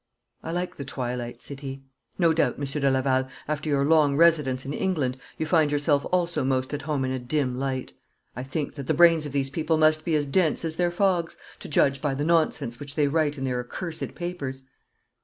'I like the twilight,' said he. 'No doubt, Monsieur de Laval, after your long residence in England you find yourself also most at home in a dim light. I think that the brains of these people must be as dense as their fogs, to judge by the nonsense which they write in their accursed papers.'